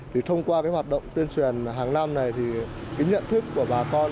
thì thông qua cái hoạt động tuyên truyền hàng năm này thì cái nhận thức của bà con